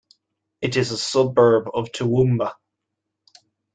It is a suburb of Toowoomba.